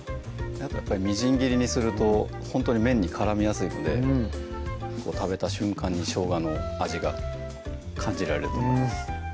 みじん切りにするとほんとに麺に絡みやすいので食べた瞬間にしょうがの味が感じられると思います